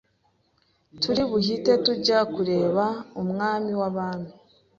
turi buhite tujya kureba umwami w’abami